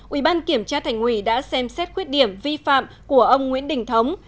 ủy ban kiểm tra thành quỳ đã xem xét khuyết điểm vi phạm của ông nguyễn đình thống